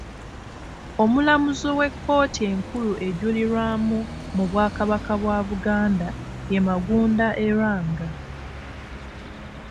Omulamuzi w’ekkooti enkulu ejulirwamu mu bwakabaka bwa Buganda ye Magunda e Lwanga.